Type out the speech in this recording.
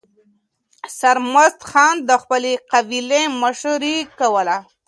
سرمست خان د خپلې قبیلې مشري کوله.